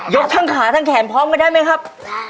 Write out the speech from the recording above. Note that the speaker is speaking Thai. ทั้งขาทั้งแขนพร้อมกันได้ไหมครับ